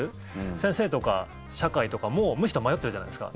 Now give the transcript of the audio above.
先生とか社会とかも迷ってるじゃないですか。